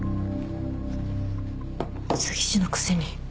詐欺師のくせに。